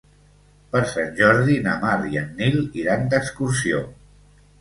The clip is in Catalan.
Per Sant Jordi na Mar i en Nil iran d'excursió.